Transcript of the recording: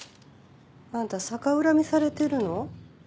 あんた逆恨みされてるの？